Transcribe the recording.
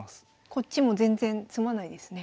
こっちも全然詰まないですね。